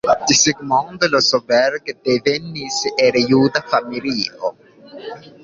Zsigmond Rosenberg devenis el juda familio.